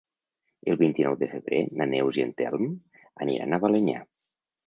El vint-i-nou de febrer na Neus i en Telm aniran a Balenyà.